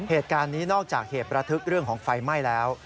เหตุการณ์นี้นอกจากเหตุระทึกเรื่องของไฟไหม้แล้ว